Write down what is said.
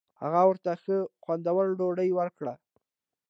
هغه ورته ښه خوندوره ډوډۍ ورکړه.